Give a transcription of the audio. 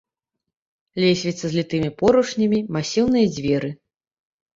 Лесвіца з літымі поручнямі, масіўныя дзверы.